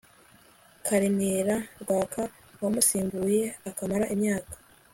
karenera rwaka wamusimbuye akamara imyaka